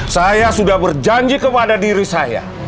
saya sudah berjanji kepada diri saya